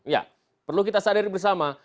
ya perlu kita sadari bersama